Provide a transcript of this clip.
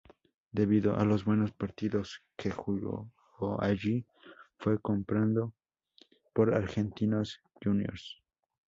Debido a los buenos partidos que jugó allí, fue comprado por Argentinos Juniors.